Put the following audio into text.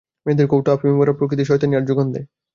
মেয়েদের কৌটো আফিমে ভরা, প্রকৃতি-শয়তানী তার জোগান দেয়।